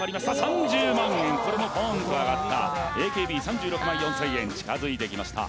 これもポンと上がったＡＫＢ３６万４０００円近づいてきました